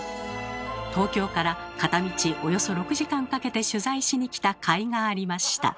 東京から片道およそ６時間かけて取材しに来たかいがありました。